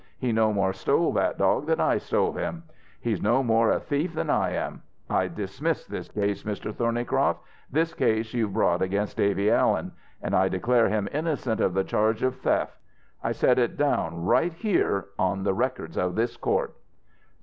He no more stole that dog than I stole him. He's no more a thief than I am. I dismiss this case, Mr. Thornycroft, this case you've brought against Davy Allen. I declare him innocent of the charge of theft. I set it down right here on the records of this court."